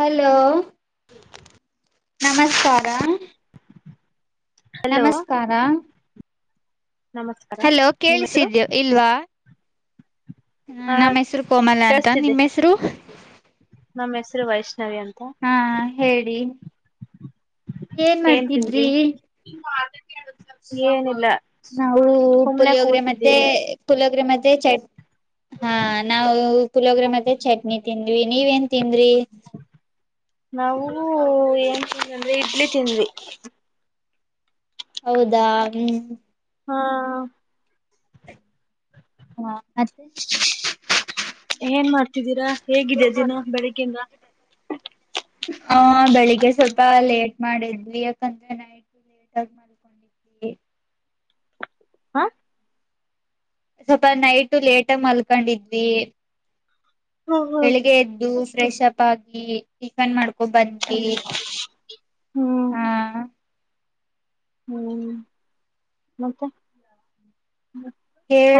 Hello ನಮಸ್ಕಾರ hello ನಮಸ್ಕಾರ ನಮಸ್ಕಾರ ಹಲೋ ನಿಮ್ ಹೆಸರು ಕೇಳಿಸಿದ್ಯ ಇಲ್ವಾ ಹ ನಮ್ಮ್ ಹೆಸರು ಕೋಮಲ ಅಂತ ನಿಮ್ಮ್ ಹೆಸರು ಮ ಹೆಸರ ವಾಯ್ಸ್ ಸರಿ ಅಂತ ಹಾ ಹೇಳಿ ಏನ್ ಮಾಡ್ತಿದ್ರಿ ಏನಿಲ್ಲ ನಾವು ಸುಮ್ನೆ ಪುಲಿಯೋಗ್ರೆ ಮತ್ತೆ ಕೂತಿದ್ದೀವಿ ಪುಲಕ್ ವ ಮ ಚ [unintelligible] ಹಾ ನಾವು ಪುಳಿವೊಗ್ರೆ ಮತ್ತೆ ಚಟ್ನಿ ವಿ ನೀವೆನ್ ತಿಂದ್ರಿ ನಾವು ಏನ್ ತಿಿಂದ ಅಂದ್ರೆ ಇಡ್ಲಿ ತಿಂದ್ವಿ ಹೌದಾ ಹ್ಮ್ ಹಾ ಹಾ ಹಾ ಮತ್ತೆ [inaudible] ಏನ್ ಮಾಡ್ತಿದ್ದೀರಾ ಹೇಗಿದೆ ದಿನ ಬೆಳಿಗ್ಿಂದ ಹ ಬೆಳಿಗ್ಗೆ ಸ್ವಲ್ಪ ಲೇಟ್ ಮಾಡಿದ್ವಿ ಯಾಕಂದ್ರೆ ನೈಟ್ ಹಾ ಸ್ವಲ್ಪ ನೈಟ್ ಲೇಟ್ಗ ಮಲ್ಕೊಂಡಿದ್ವಿ ಹ್ಮ್ ಬೆಳಿಗ್ಗೆ ಎದ್ದು ಫ್ರೆಶ್ ಅಪ್ ಆಗಿ ಟೆಫನ್ ಮಾಡು ಹೊ ಬಂದವಿ ಹ್ಮ್ ಹಾ ಹ್ಮ್ ಮತ್ತೆ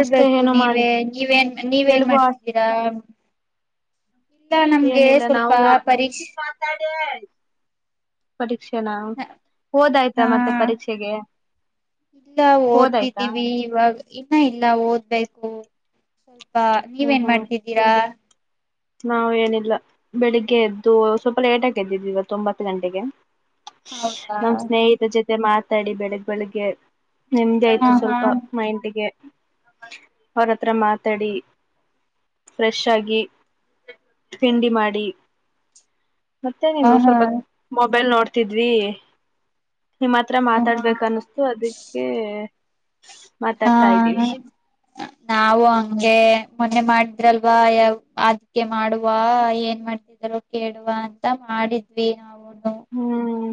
ಅಷ್ಟೇ ಏನು ಮಾಡಿ ನೀವೇ ನೀವೇನ್ ನೀವೇನ್ ಎಲ್ಗೂ ಮಾಡ್ತಿದ್ದೀರಾ ಇಲ್ಲ ನಮ್ಗೆ ಏನಿಲ್ಲ ಸ್ವಲ್ಪ ನಾವು ಮೆತ್ತೆಗೆ ಪರೀಕ್ಷೆ ಮಾತಾಡೆ ಪಠ [unintelligible] ಶಕ್ಷಣ ಹೋದಾಯ್ತಾ ಹಾ ಮತ್ತೆ ಪರೀಕ್ಷೆಗೆ ಇಲ್ಲ ಹೋದಾಯ್ತಾ ಓದ್ತಿದ್ದೀವಿ ಇವಾಗ ಇನ್ನ ಇಲ್ಲ ಓದ್ಬೇಕು ಸ್ವಲ್ಪ ಬಾ ನೀವೇನ್ ಮಾಡ್ತಿದ್ದೀರಾ ನಾವು ಏನಿಲ್ಲ ಬೆಳಿಗ್ಗೆ ಎದ್ದು ಸ್ವಲ್ಪ ಲೇಟಾಗಿ ಎದ್ದಿದ್ದೀವ ಒಂಬತ್ತು ಗಂಟೆಗೆ ಹೌದಾ ನಮ್ಮ ಸ್ನೇಹಿತ ಜೊತೆ ಮತ್ತೆ ಮಾತಾಡಿ ಬೆಳಗ್ಗೆ ಬೆಳಿಗ್ಗೆ ನೆಮ್ಮದಿ ಹಾ ಆಯ್ತು ಹಾ ಸ್ವಲ್ಪ ಮೈಂಡಿಗೆ ಅವರ ಹತ್ರ ಮಾತಾಡಿ ಫ್ರೆಶ್ ಆಗಿ ತಿಂಡಿ ಮಾಡಿ ಮತ್ತೆ ನೀಮ್ ಹಾ ಹಾ ಸ್ವಲ್ಪ ಮೊಬೈಲ್ ನೋಡ್ ಹತಿದ್ವಿ ನಿಮ್ಮ ಹತ್ರ ಹಾ ಮಾತಾಡ್ಬೇಕನ್ನಿಸತು ಅದಕ್ಕೆ ಹಾ ಮಾತಾಡ್ತಾ ಇದ್ದೀವಿ ಹಾ ನಾವು ಹಂಗೆ ಮೊನ್ನೆ ಮಾಡಿದ್ರಲ್ವಾ ಅದಕ್ಕೆ ಮಾಡುವ ಏನ್ ಮಾಡ್ತಿದಾರೋ ಕೇಳುವ ಅಂತ ಮಾಡಿದ್ವಿ ನಾವು ಹ್ಮ್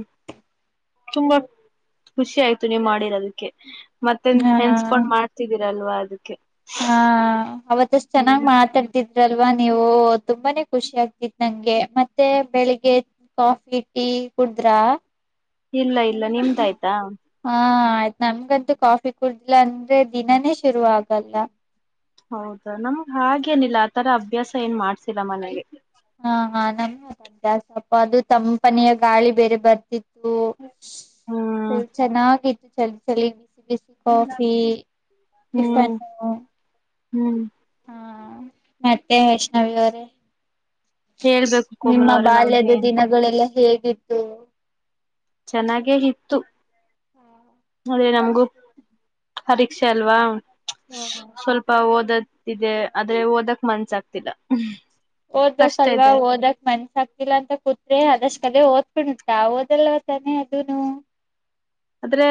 ತುಂಬಾ ಖುಷಿ ಆಯ್ತು ನೀವು ಮಾಡಿರದಕ್ಕೆ ಮತ್ತೆನ್ ಹಾ ನೆನ್ಸ್ಕೊಂಡ್ ಮಾಡ್ತಿದೀರಲ್ವ ಅದಕ್ಕೆೆ ಹಾ ಅವತ್ತಷ್ಟು ಚೆನ್ನಾಗ್ ಮಾತಾಡ್ತಿದ್ವಿ ಇದ್ರಲ್ವಾ ನೀವು ತುಂಬಾನೇ ಖುಷಿ ಆಗ್ತಿತ್ತು ನನಗೆ ಮತ್ತೆ ಬೆಳಿಗ್ಗೆ ಕಾಫಿ ಟೀ ಕುಡಿದ್ರ ಇಲ್ಲ ಇಲ್ಲ ನಿಮ್ದ ಆಯ್ತಾ ಆಯ್ತು ನಮಗಂತೂ ಕಾಫಿ ಕುಡುದಿಲ್ಲ ಅಂದ್ರೆ ದಿನಾನೇ ಶುರು ಆಗ್ ಅಲ್ಲ ಹೌದಾ ನಮ್ಗ್ ಹಾಗೇನಿಲ್ಲ ಆ ತರ ಅಭ್ಯಾಸ ಏನ್ ಮಾಡ್ಸಿಲ್ಲ ಮನೇಲಿ ಹಾ ಹ ನಮಗದು ಅಭ್ಯಾಸ ಅದು ತಂಪನಿಯ ಗಾಳಿ ಬೇರೆ ಬರ್ತಿತ್ತು ಹೂ ಹೂ ಹ್ಮ್ ಚೆನ್ನಾಗಿತ್ತು ಚಳ್ಚಳಿ ಬಿಸಿ ಕಾಫಿ ಹ್ಮ್ ಟಿಫನ್ನು ಹ್ಮ್ ಹಾ ಮತ್ತೆ ವೈಷ್ಣವಿ ಅವರೇ ಹೇಳ್ಬೇಕು ನಿಮ್ಮ ಕೋಮಲ ಅವ್ರೆ ಬಾಲ್ಯದ ನಮ್ದೇನ್ ದಿನಗಳೆಲ್ಲ ಹೇಗೆ ಎದ್ದು ಚೆನ್ನಾಗೆ ಇತ್ತು ಆದ್ರೆ ನಮಗೂ ಪರೀಕ್ಷೆ ಅಲ್ವಾ ಹ ಸ್ವಲ್ಪ ಓದದ ಇದೆ ಆದ್ರೆ ಓದಕ್ ಮನ್ಸ ಆಗ್ತಿಲ್ಲ ಕಷ್ಟ ಓದ್ಬೇಕಲ್ವಾ ಇದೆ ಓದಕ್ ಮನ್ಸ ಆಗ್ತಿಲ್ಲ ಅಂತ ಕೂತೆ ಆದಷ್ಟು ಕದೆ ಓದ್ಕೊಂಡ ತಾವು ಓದಲ್ವಾ ತಾನೆ ಅದುನು ಆದ್ರೆ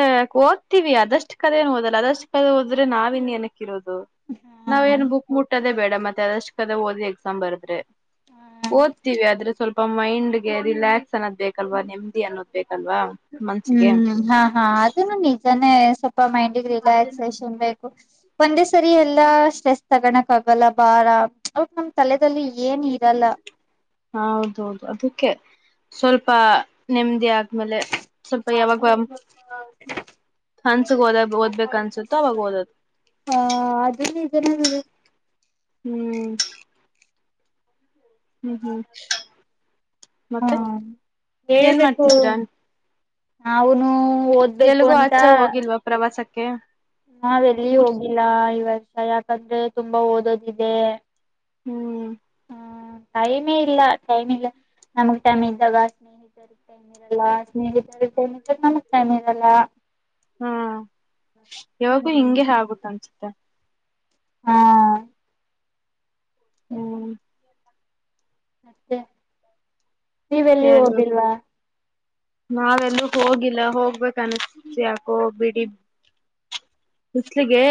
ಓದ್ತಿವಿ ಅದಷ್ಟು ಕದೆ ಏನು ಓದಲ್ಲ ಅದಷ್ಟು ಓದಿದ್ರೆ ನಾವಿನ್ನೇನು ಇನ್ನೇನ್ ಕಿರೋದು ನಾವ್ ಏನ್ ಬುಕ್ ಮುಟ್ಟದೇ ಬೇಡ ಮತ್ತೆ ಆದಷ್ಟು ಕದೆ ಓದಿ ಎಕ್ಸಾಮ್ ಬರೆದ್ರೆ ಓದ್ತೀವಿ ಆದ್ರೆ ಸ್ವಲ್ಪ ಮೈಂಡ್ ಗೆ ರಿಲ್ಯಾಕ್ಸ್ ಅನ್ನೋದ ಬೇಕಲ್ವಾ ನೆಮ್ಮದಿ ಅನ್ನೋದ ಬೇಕು ಅಲ್ವಾ ಮನ್ಸಿಗೆ ಹ್ಮ್ ಹಾ ಹಾ ಅದುನು ನಿಜಾನೇ ಸ್ವಲ್ಪ ಮೈಂಡ್ಗೆ ರಿಲ್ಯಾಗ್ಜೆಶನ್ ಬೇಕು ಒಂದೇ ಸರಿ ಎಲ್ಲಾ ಸ್ಟ್ರೆಸ್ ತಗಣಕಾಗಲ್ಲ ಆಗಲ್ಲ ಭಾರ ಅವಾಗ ನಮ್ ತಲೆದಲ್ಲಿ ಏನ್ ಇರಲ್ಲ ಹ ಹೌದೌದು ಅದಕ್ಕೆ ಸ್ವಲ್ಪ ನೆಮ್ಮದಿ ಆದ್ಮೇಲೆ ಸ್ವಲ್ಪ ಯಾವಾಗಾಮ ಹನ್ಸಗ್ ಓದ ಓದ್ಬೇಕು ಅನ್ಸುತ್ತೋ ಅವವಾಗ ಓದದು ಹಾ ಅದ ಇದದೆಲ್ಲ ಹ್ಮ್ ಹ್ಮ್ ಹ್ಮ್ ಹಾ ಮತ್ತೆ ಏನ್ ಮಾಡ್ತಿದೀರಾ ಅವನು ಎಲ್ಗೂ ಅಚೇ ಹೋಗಿಲ್ವಾ ಪ್ರವಾಸಕ್ಕೆ [unintelligible] ನಾವ್ ಎಲ್ಲಿ ಊರ್ ಹೋಗಿಲ್ಲ ಈ ವರ್ಷ ಯಾಕಂದ್ರೆ ತುಂಬಾ ಓದೋದಿದೆ ಹ್ಮ್ ಹ್ಮ್ ಟೈಮೇ ಇಲ್ಲ ಟೈಮ್ ಇಲ್ಲ ನಮಗ್ ಟೈಮ್ ಇದ್ದಾಗ ಸ್ನೇಹಿತರಿಗೆ ಟೈಮ್ ಇರಲ್ಲ ಸ್ನೇಹಿತರ ಟೈಮ್ ಇದ್ರ ನಮಗ್ ಟೈಮ್ ಇರಲ್ಲ ಹ್ಮ ಯವಾಗು ಹ್ಮ್ ಹಿಂಗೆ ಆಗುುತ್ತಂತ ಹತ್ತ ಹಾ ಹ್ಮ್ ಮತ್ತೆ ನೀವೆಲ್ಲಿ ಹೋಗಿಲ್ವಾ ನಾವೆಲ್ ಹೋಗಿಲ್ಲ ಹೋಗ್ಬೇಕ ಅನಿಸತು ಯಾಕೋ ಬಿಡಿ ಬಿಸಲಿಗೆ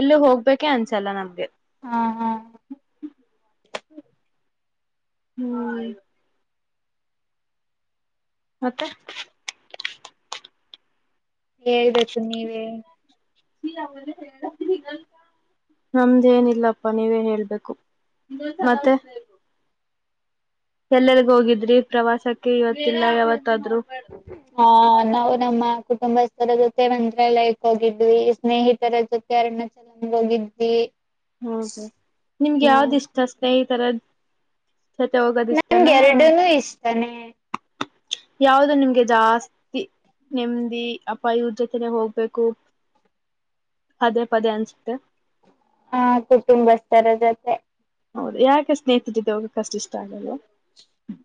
ಎಲ್ಲೂ ಹೋಗ್ಬೇಕೆ ಅನ್ಸಲ್ಲ ನಮ್ಗೆ ಹಾ ಹಾ ಹ್ಮಯ್ತು ಮತ್ತೆ ಹೇಳ್ಬೇಕು ನೀವೇ ನಮ್ದೇನಿಲ್ಲಪ್ಪಾ ನೀವೇ ಹೇಳ್ಬೇಕು ಮತ್ತೆ ಎಲ್ಲಲ್ಗ ಹೋಗಿದ್ರಿ ಪ್ರವಾಸಕ್ಕೆ ಇವತ್ತಿಲ್ಲ ಯಾವತ್ತಾದರೂ ಹ ನಾವು ನಮ್ಮ ಕುಟುಂಬಸ್ಥರ ಜೊತೆ ಒಂದ್ರೆ ಲೈಕ್ ಹೋಗಿದ್ವಿ ಸ್ನೇಹಿತರ ಜೊತೆ ಅಣ ಚಲಂದ ಹೋಗಿದ್ವಿ ಹೌದ ನಿಮ್ಗೆ ಹ್ಮ್ ಯಾವ್ದ್ ಇಷ್ಟಷ್ಟತ ಸರದ ನನ್ಗೆರಡುನು ಇಷ್ಟನೆ ಯಾವವು್ದ ನಿಮ್ಗೆ ಜಾಸ್ತಿ ನೆಮ್ಮದಿ ಅಪ ಇವರ ಜೊತೆನೆ ಹೋಗ್ಬೇಕು ಪದೇ ಪದೇ ಅನ್ಸುತ್ತೆ ಹ ಕುಟುಂಬಸ್ಥರ ಜೊತೆ ಹೌದು ಯಾಕೆ ಸ್ನೇಹಿತರಿದ್ದ ಹೋಗಕ್ಕಷ್ಟು ಇಷ್ಟ ಆಗದು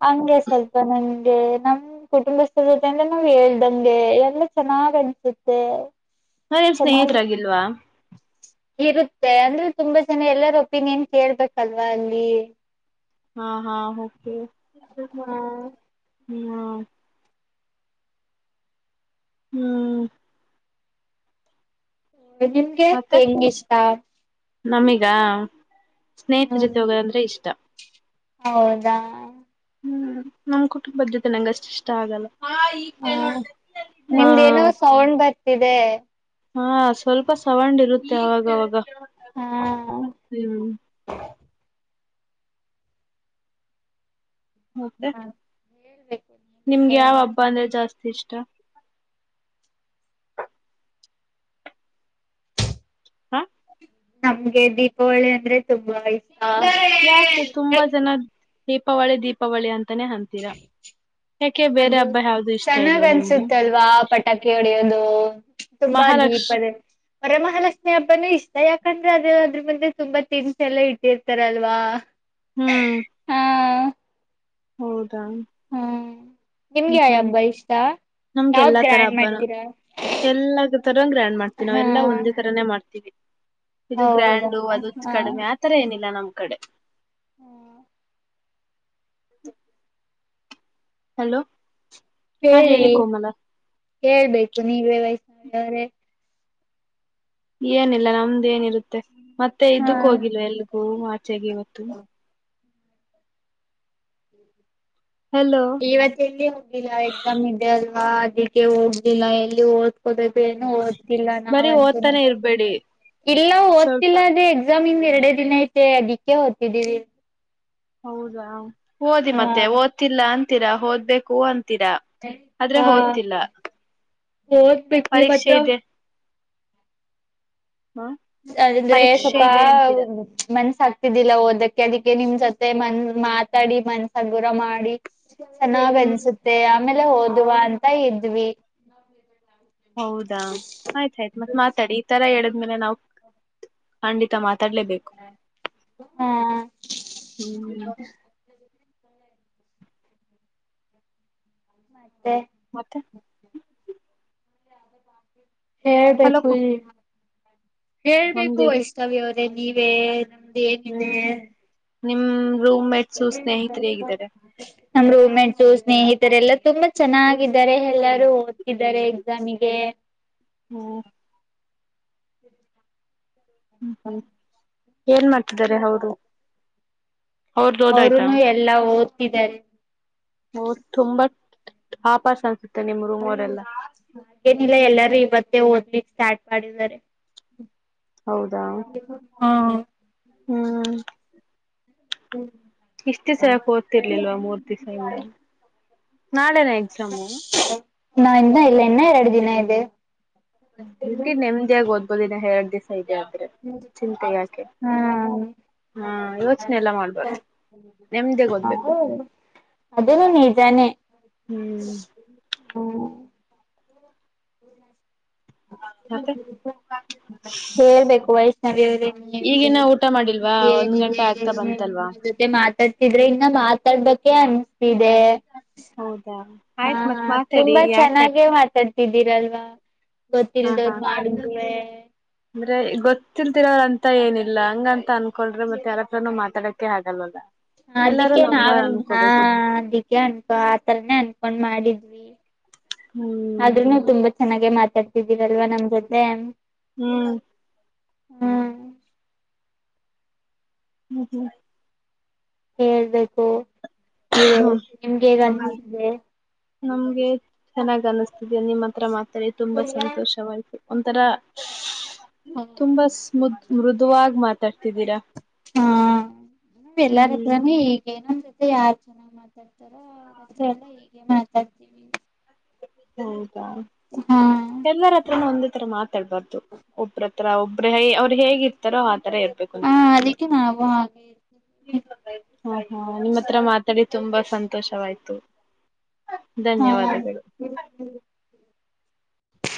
ಹಂಗೆ ಸ್ವಲ್ಪ ನನ್ ನಮ್ ಕುಟುಂಬಸ್ಥರ ಜೊತೆ ಅಂದ್ರೆ ನಾವ್ ಹೇಲದಂಗೆ ಎಲ್ಲ ಚೆನ್ನಾಗ್ ಅನ್ಸುತ್ತೆ ಹ ನಿನ್್ ಚೆನ್ನಾಗಿ ಸ್ನೇಹತ್ರಾಗಿಿಲ್ವಾ ಇರುತ್ತೆ ಅಂದ್ರೆ ತುಂಬಾ ಜನ ಎಲ್ಲರ ಒಪಿನಿಯನ್ ಕೇಳ್ಬೇಕಲ್ವಾ ಅಲ್ಲಿ ಹಾ ಹಾ ಓಕೆ. ಹ್ಮ. ಹ್ಮ್. ಹ್ಮ್. ನಿಮಗಿಂಗೆ ಹೆಂಗ ಇಷ್ಟ. ನಮಿಗಾ. ಸ್ನೇಹಿತ್ರ ಜೊತೆ ಹ್ಮ್ ಹೋಗೋದಂದ್ರೆ ಇಷ್ಟ. ಹೌದಾ. ಹ್ಮ್ ನಮ್ ಕುಟುಂಬದ ಜೊತೆ ನಂಗಗೆ ಅಷ್ಟು ಇಷ್ಟ ಆಗಲ್ಲ. ಹ್ಮ್ ಹ ನಿಮ್ದೇನೋ ಹಾ ಸೌಂಡ್ ಬರ್ ಇವೆ. ಹಾ ಸ್ವಲ್ಪ ಸವಂಡ್ ಇರುತ್ತೆ ಅವಾಗವಾಗ. ಹಾ ಹ್ಮ್. ಮತ್ತೆ. ಹೇಳ್ಬೇಕ್ ನಿಮ್ಗೆ ಯಾವ್ ಹಬ್ಬ ಅಂದ್ರೆ ಜಾಸ್ತಿ ಇಷ್ಟ. ಹಾ. ನಮ್ಗೆ ದೀಪಾವಳಿ ಅಂದ್ರೆ ತುಂಬಾ ಇಷ್ ಹ ಹಿಗರೇ ಯಾಕೆ ಹೈ. ತುಂಬಾ ಜನ ದೀಪಾವಳಿ ದೀಪಾವಳಿ ಅಂತ್ ಬೇರೆ ಅದು ಹಬ್ಬ ಯಾವ್ದು ಇಷ್ಟ ಚೆನ್ನಾಗ್ ಇಲ್ವಾ ನಿಮ್ಗೆ ಅನ್ಸುತ್ತಲ್ವಾ ಪಟಾಕಿ ಹೊಡಿಯೋದು ತುಂಬಾ ಮಹಾಲಕ್ಷ ದೀಪದದ್ ವರಮಹಾಲಕ್ಷ್ಮಿ ಹಬ್ಬನೂ ಇಷ್ಟ ಯಾಕಂದ್ರೆ ಅದೆ ಅದ್ರ ಮಂದೆ ತುಂಬಾ ತಿನ್ಸ ಎಲ್ಲ ಇಟ್ಟಿರ್ತಾರಲ್ವಾ. ಹ್ಮ್. ಹಾ ಹೌದಾ. ಹ್ಮ್. ನಿಮ್ಗೆ ಹ್ಮ್ ಯಾವ ಹ್ಮ್ ಹಬ್ಬ ಇಷ್ಟ ನಮ್ಗೆ ಯಾವ್ದ್ ಎಲ್ಲಾ ತರ ಗ್ರ್ಯಾಂಡ್ ಹಬ್ಬಾನ ಮಾಡ್ತೀರಾ ಎಲ್ಲ ತರ ಗ್ರ್ಯಾಂಡ್ ಮಾಡ್ತೀವಿ ನಾವ ಹಾ ಎಲ್ಲಾ ಒಂದೇ ತರಾನೇ ಮಾಡ್ತೀವಿ. ಇದು ಹೌದಾ ಗ್ರ್ಯಾಂಡು ಅದು ಕಡಿಮೆ ಆ ತರ ಏನಿಲ್ಲ ನಮ್ ಕಡೆ ಹ್ಮ್. ಹ್. ಹಲೋ. ಹಾ ಹೇಳಿ ಕೋಮಲ. ಹೇಳ್ಬೇಕು ನೀವೇ ವಯಸ್ [unintelligible] ಅವರೇ. ಏನಿಲ್ಲ ನಮ್ದ ಏನಿರುತ್ ಮತ್ತೆ ಮತ್ತೆ ಇದಕ್ಕ ಹಾ ಹೋಗಿಲ್ ಎಲ್ಗೂ ಆಚೆಗೆ ಇವತ್ತು. ಹಲೋ ಇವತ್ತು ಎಲ್ಲಿ ಹೋಗ್ಲಿಲ್ಲ ಎಕ್ಸಾಮ್ ಇದದೆ ಅ ಹಾ ಅದಕ್ಕೆ ಹೋಗ್ಲಿಲ್ಲ ಎಲ್ಲಿ ಓದ್ಕೋತ್ ಏನು ಓದ್ತಿಿಲ್ಲ ಬರೀ ನಾವಂತೂ ಓದ್ತಾನೆ ಇರ್ಬೇಡಿ ಇಲ್ಲ ಸ್ವಲ್ಪ ಓದ್ತಿಿಲ್ಲ ಅದೇ ಎಕ್ಸಾಮ ಇನ್ ಎರಡೇ ದಿನ ಐತೆ ಅದಕ್ಕೆ ಹೊತಿದ್ದೀವಿ ಹೌದಾ ಓದಿ ಮತ್ತೆ ಓದ್ತಿಲ್ಲ ಅಂತ ೀರಾ ಹೋಗ್ಬೇಕು ಅಂತ ರಾ ಆದ್ರೆ ಹೋದ್ತಿಲ್ಲ ಒತ್ಬೆಗ್ ಇವಗ್ತಾ ಹ ಅಂದ್ರೆ ಪರೀಕ್ಷೆ ಸ್ವಲ್ಪ ಇದೆ ಅಂತೀರಾ ಮನ್ಸ ಆಕ್ ಆತಿಲ್ಲ ಓದಕ್ಕೆ ಅದಕ್ಕೆ ನಿಮ್ ಜೊತೆ ಮನ್ ಮಾತಾಡಿ ಮನ್ಸಗುರ ಮಾಡಿ ಚೆನ್ನಾಗ್ ಹ್ಮ್ ಅನ್ಸುತ್ತೆ ಆಮೇಲೆ ಹೋದುವ ಅಂತ ಇದ್ವಿ ಹೌದಾ ಆಯ್ತ್ಾಯಯ್ತ್ು ಮತ್ತ್ ಮಾತಾಡಿ ಈ ತರ ಹೇಳದ್್ಮೇಲೆ ನಾವವು ಖಂಡಿತ ಮಾತ್ರ ತರ್ಲೇಬೇಕು ಹಾ ಹ್ಮ್ ಮತ್ತೆ ಮತ್ತೆ ಹಲೋ ಹೇಳ್ಬೇಕು ಕು ಇ ಹೇಳ್ಬೇಕು ನಮ್ದೇ ವೈಷವ್ಯ ಅವ್ರ ಮತ್ತೆ ನೀವೇ ಏನಿದೆ ನಿಮ್ಮ ನ್ರ ೆಂಟ್ಸು ಸ್ನೇಹಿತರೆಲ್ಲ ತುಂಬಾ ಚೆನ್ನಾಗಿದ್ದಾರೆ ಎಲ್ಲಾರು ಓದ್ತಿದ್ದಾರೆ ಎಕ್ಸಾಮಗೆ ಹ್ಮ್ ಹ್ಮ್ ಹ್ಮ್ ಏನ್ ಮಾಡ್ತಿದಿದ್ದಾರೆ ಹೌದು ಅವರುನು ಎಲ್ಲಾ ಓದ್ತಿದ್ದಾರೆ ಹ ತುಂಬಾ ಆಪಸ್ ಅನ್ಸುತ್ತೆ ನಿಮ್ ಹ ರೂಮ್ ಅವರೆಲ್ಲ ಹಾಗೇನಿಲ್ಲ ಎಲ್ಲಾರು ಇ ಮತ್ತೆ ಓದ್ಲಿ ಚಾಟ ಪಾಡಿ ಸಾರೆ ಹೌದಾ ಹಾ ಹ್ಮ್ ಹ್ಮ್ ಇಷ್ಟು ದಿಸಾ ಯಾಕ್ ಓದ್ತಿರ್ಲಿಲ್ವ ಮೂರ್ ದಿಸಇಂದ ನಾ ಳೆ ನಾ ಎಕ್ಸಾಮು ನಾಳೆನ್ನ ಇಲ್ಲ ಇನ್ನ ಎರಡು ದಿನ ಇದೆ ನಿಮ್ದೇ ನೆಮ್ಮದಿಯಾಗಿ ಓದ್ಬೋ ಒಂದಿನ ಎರಡ್ ದಿಸಾ ಇದೆ ಗ್ಯಾಪ್ ಹ್ಮ ಹಾ ಯೋಚನೆ ಎಲ್ಲಾ ಮಾಡ್ಬಾರ್ದು ನೆಮ್ಮದಿಯಾಗಿ ಓದ್ಬೇಕು ಅದನೂ ನೀಜಾನೆ ಹ್ಮ್ ಹ್ಮ ಮತ್ತೆ ಹೇಳ್ಬೇಕು ವೈಷ್ಣವಿ ಅವರೇ ನೀವೇ ಈಗಿನ ಹೇಳಿ ಊಟ ಮಾಡಿಲ್ವಾ ಒಂದ್ ಗಂಟೆ ನಂದೇನಿದೆ ಆಗ್ತಾ ಬಂತಲ್ವಾ ನಿಮ್ ಜೊತೆ ಮಾತಾಡ್ತಿದ್ರೆ ಇನ್ನ ಮಾತಾಡ್ ಹೇಳಬೇಕೇ ಅನ್ಸ್ತಿದೆ ಹೂ ಹಾ ತುಂಬಾ ಕಟ್ ಚೆನ್ನಾಗೆ ಮಾತಾಡ್ ಇದ್ದೀರಲ್ವಾ ಹಾ ಗೊತ್ತಿಲ್ದೋರು ಮಾಡಿದ್ರೆ ಹಾ ತ್ತಿಲ್ದೆ ಇರೋರು ಅಂತ ಏನಿಲ್ಲ ಹಂಗ ಅಂತ ಅನ್ಕೊಂಡ್ರೆ ಮತ್ತೆ ಯಾರತ್ರನು ಮಾತಾಡಕ್ಕೆ ಆಗಲ್ವಲ್ಲ ಎಲ್ಲಾರು ಅದಿಕ್ಕೆ ನಾವ ನಮ್ಮೋರ್ ಹಾ ಅನ್ಕೋಬೇಕು ಅದಿಕ್ಕೆ ಅನ್ಕೊ ಆತರನೇ ಅನ್ಕೊಂಡ್ ಮಾಡಿದ್ ದ್ವಿ ಹ್ಮ್ ಆದ್ರೂ ನೀವು ತುಂಬಾ ಚೆನ್ನಾಗಿ ಮಾತಾಡ್ ತಿದ್ದೀರಲ್ವಾ ನಮ್ ಜೊತೆ ಹ್ಮ್ ಹ್ಮ್ ಹ್ಮ ಹ್ಮ್ ಹೇಳ್ಬೇಕು ನೀವ್ ಹೇಳಿ ಹ್ಮ್ ನಿಮ್ಗೆ ಹೇಗ ಅನಿಸ್ತಿದೆ ನಮ್ಗೆ ಚೆನ್ನಾಗ್ ಅನಿಸ್ತಿದ ನಿಮ್ಮ ಹತ್ರ ಮಾತಾ ಡಿ ತುಂಬಾ ಸಂತೋಷವಾಯ್ತು ಒಂಥರಾ ತುಂಬಾ ಸ್ಮೂತ್ ಮೃದುವಾಗ ಮಾತಾಡ್ ಹಾ ಹ್ಮ್ ಎಲ್ಲಾರಿದ್ರ ಈಗ ಏನಂದ್ರೆ ರೇ ಯಾರ್ ಚೆನ್ನಾಗ್ ಮಾತಾಡ್ತಾರೋ ಅವ್ರ ಹತ್ರ ಎಲ್ಲ ಹೀಗೆ ಮಾತಾಡ್ತೀವಿ ಹ್ಮ ಹಾ ಕೆಲ್ವರ ಹತ್ರನು ಒಂದೇ ತರ ಮಾತಾಡ್ಬಾರ್ದು ಒಬ್ರ ಒಂತರ ಒಬ್ಬರೇ ಅವ್ರು ಹೇಗಿರ್ತರೋ ಹಾ ತರ ಇರಬೇಕು ಹ ಅದಕ್ಕೆ ನಾವು ಹಾಗೆ ಇರ್ತೀವಿ. ಹ ಹ ನಿಮ್ಮ ಹತ್ರ ಮಾತಾಡಿ ತುಂಬಾ ಸಂತೋಷವಾಯ್ತು ಧನ್ಯವಾದಗಳು ಹ್ಮ್